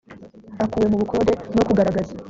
akuwe ku bukode no kugaragaza